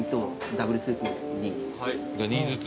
じゃあ２ずつ。